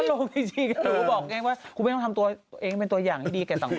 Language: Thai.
มาโลกจริงถูกก็บอกเองว่าคุณไม่ต้องทำตัวเองเป็นตัวอย่างให้ดีแก่สังโพฟ